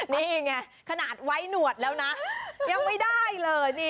นี่ไงขนาดไว้หนวดแล้วนะยังไม่ได้เลยนี่